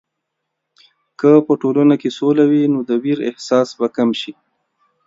که په ټولنه کې سوله وي، نو د ویر احساس به کم شي.